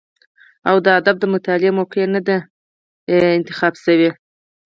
او ادب د مطالعې موقع نۀ ده ميلاو شوې